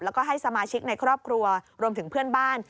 แล้วก็ให้สมาชิกในครอบครัวรวมถึงเพื่อนบ้าน